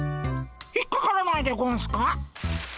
引っかからないでゴンスか？